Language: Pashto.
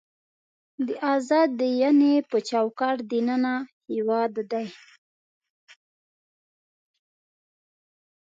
د ازاد دینۍ په چوکاټ دننه هېواد دی.